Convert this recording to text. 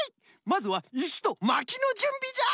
まずはいしとまきのじゅんびじゃ！